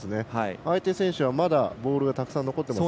相手選手はまだボールがたくさん残ってます。